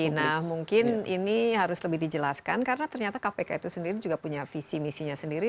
nah mungkin ini harus lebih dijelaskan karena ternyata kpk itu sendiri juga punya visi misinya sendiri